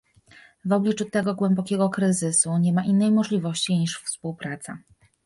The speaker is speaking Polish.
W obliczu tego głębokiego kryzysu nie ma innej możliwości, niż współpraca